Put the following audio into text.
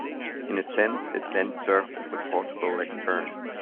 In a sense it then served as a portable lectern.